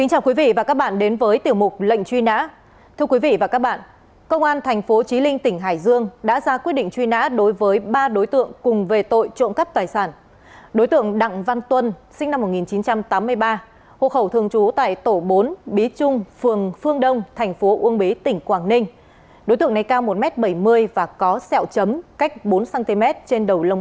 hãy đăng ký kênh để ủng hộ kênh của chúng mình nhé